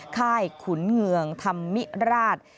ค่ายขุนเงืองธรรมิราช